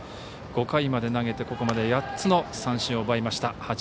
５回まで投げてここまで８つの三振を奪いました。